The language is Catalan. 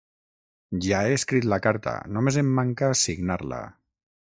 Ja he escrit la carta: només em manca signar-la.